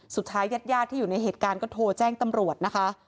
ญาติญาติที่อยู่ในเหตุการณ์ก็โทรแจ้งตำรวจนะคะ